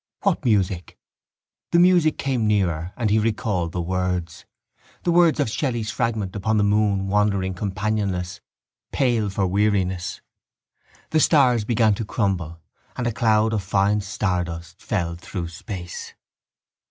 What music? The music came nearer and he recalled the words, the words of Shelley's fragment upon the moon wandering companionless, pale for weariness. The stars began to crumble and a cloud of fine stardust fell through space.